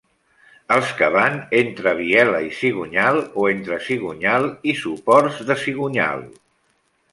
Els que van entre biela i cigonyal, o entre cigonyal i suports de cigonyal.